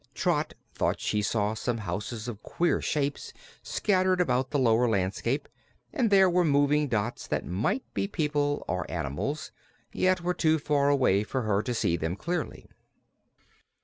Trot thought she saw some houses of queer shapes scattered about the lower landscape, and there were moving dots that might be people or animals, yet were too far away for her to see them clearly.